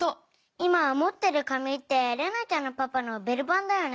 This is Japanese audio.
今持ってる紙って玲奈ちゃんのパパのベル番だよね？